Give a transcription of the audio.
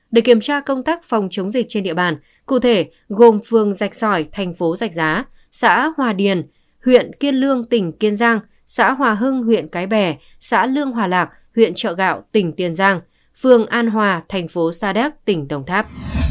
để kiểm tra công tác phòng chống dịch trên địa bàn cụ thể gồm phường rạch sỏi thành phố giạch giá xã hòa điền huyện kiên lương tỉnh kiên giang xã hòa hưng huyện cái bè xã lương hòa lạc huyện chợ gạo tỉnh tiền giang phường an hòa thành phố sa đéc tỉnh đồng tháp